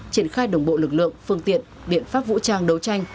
triển khai đồng bộ lực lượng phương tiện biện pháp vũ trang đấu tranh